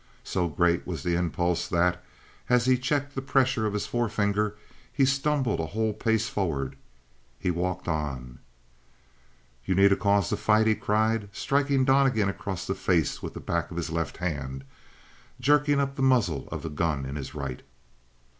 So great was the impulse that, as he checked the pressure of his forefinger, he stumbled a whole pace forward. He walked on. "You need cause to fight?" he cried, striking Donnegan across the face with the back of his left hand, jerking up the muzzle of the gun in his right.